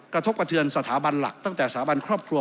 กระทบกระเทือนสถาบันหลักตั้งแต่สถาบันครอบครัว